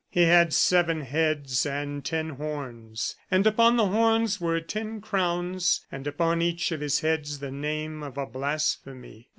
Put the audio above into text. He had seven heads and ten horns. And upon the horns were ten crowns, and upon each of his heads the name of a blasphemy.